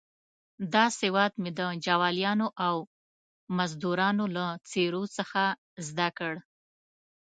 دا سواد مې د جوالیانو او مزدروانو له څېرو څخه زده کړ.